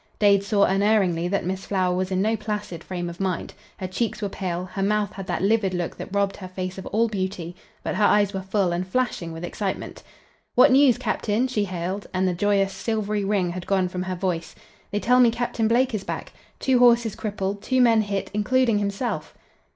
Dade saw unerringly that Miss Flower was in no placid frame of mind. Her cheeks were pale; her mouth had that livid look that robbed her face of all beauty; but her eyes were full and flashing with excitement. "What news, captain?" she hailed, and the joyous, silvery ring had gone from her voice. "They tell me Captain Blake is back two horses crippled, two men hit, including himself."